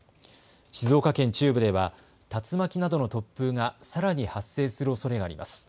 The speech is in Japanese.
静岡県中部では、竜巻などの突風がさらに発生するおそれがあります。